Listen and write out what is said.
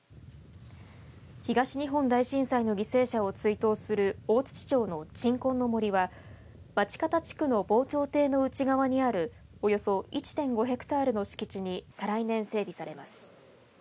東日本大震災の犠牲者を追悼する大槌町の鎮魂の森は町方地区の防潮堤の内側にあるおよそ１．５ヘクタールの敷地に再来年、整備されます。